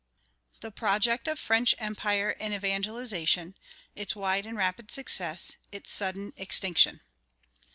THE PROJECT OF FRENCH EMPIRE AND EVANGELIZATION ITS WIDE AND RAPID SUCCESS ITS SUDDEN EXTINCTION.